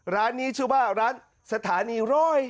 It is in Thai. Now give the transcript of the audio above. ร้านนี้ชื่อว่าร้านสถานีร้อย